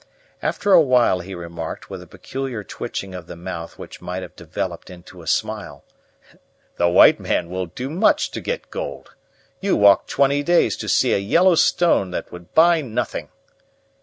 After a while he remarked, with a peculiar twitching of the mouth which might have developed into a smile: "The white man will do much to get gold. You walked twenty days to see a yellow stone that would buy nothing."